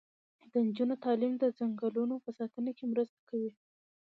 د نجونو تعلیم د ځنګلونو په ساتنه کې مرسته کوي.